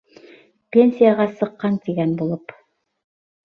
Пенсияға сыҡҡан тигән булып.